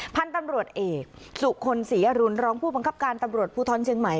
พันธุ์ตำรวจเอกสุคลศรีอรุณรองผู้บังคับการตำรวจภูทรเชียงใหม่